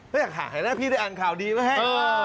ก็อย่างหรือหาก่อนแล้วพี่ได้อังข่าวดีมาให้